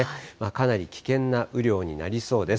かなり危険な雨量になりそうです。